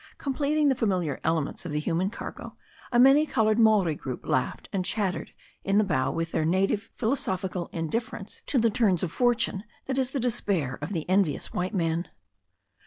Completing the familiar elements of the human cargo, a many coloured Maori group laughed and chattered in the bow with their native philosophic indifference to tii^ \.MttA 26o THE STORY OF A NEW ZEALAND RIVER of fortune that is the despair of the envious white man.